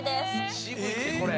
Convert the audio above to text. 渋いってこれ。